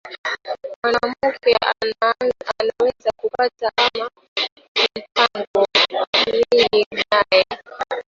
Mwanamuke anaweza kupata ma mpango mingi naye